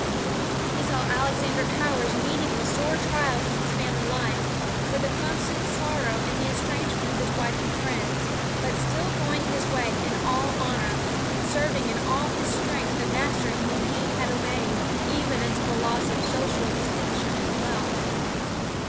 He saw Alexander Powers meeting with sore trials in his family life, with a constant sorrow in the estrangement of wife and friends, but still going his way in all honor, serving in all his strength the Master whom he had obeyed, even unto the loss of social distinction and wealth.